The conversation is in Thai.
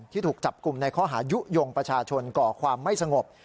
ถูกจับกลุ่มในข้อหายุโยงประชาชนก่อความไม่สงบ